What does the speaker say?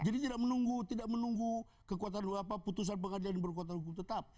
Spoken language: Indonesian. jadi tidak menunggu kekuatan apa putusan pengadilan yang berkuatan hukum tetap